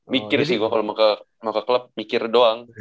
mikir sih gua kalo mau ke klub mikir doang